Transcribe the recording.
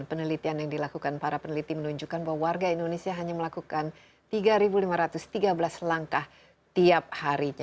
penelitian yang dilakukan para peneliti menunjukkan bahwa warga indonesia hanya melakukan tiga lima ratus tiga belas langkah tiap harinya